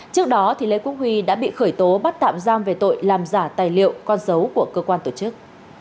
trước đó lê quốc huy đã bị khởi tố bắt tạm giam về tội làm giả tài liệu con dấu của cơ quan tổ chức